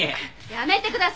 やめてください。